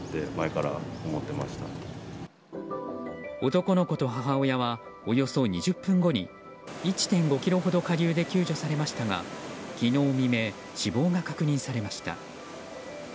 男の子と母親はおよそ２０分後に１．５ｋｍほど下流で救助されましたが昨日未明死亡が確認されました。